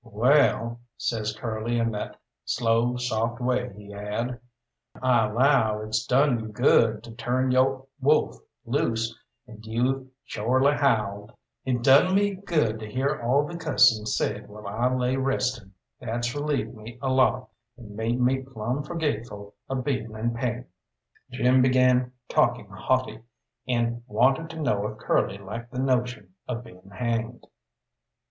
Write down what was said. "Well," says Curly in that slow, soft way he had, "I allow it's done you good to turn yo' wolf loose, and you've shorely howled; it done me good to hear all the cussing said while I lay restin'. That's relieved me a lot and made me plumb forgetful of being in pain." Jim began talking haughty, and wanted to know if Curly liked the notion of being hanged.